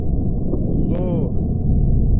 ثݹر